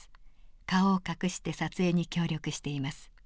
顔を隠して撮影に協力しています。